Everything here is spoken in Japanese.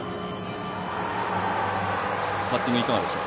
バッティング、いかがでしょう？